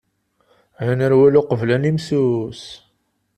Ad nerwel qbel ad nimsus.